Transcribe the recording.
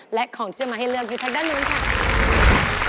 และของที่จะมาให้เลือกอยู่ทางด้านนู้นค่ะ